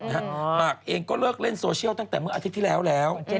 หมากเองก็เลิกเล่นโซเชียลตั้งแต่เมื่ออาทิตย์ที่แล้วแล้ว